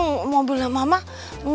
hahh nah ganteng